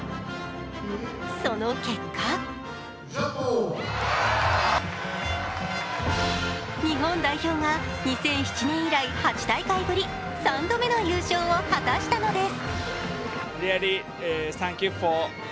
その結果日本代表が２００７年以来、８大会ぶり、３度目の優勝を果たしたのです。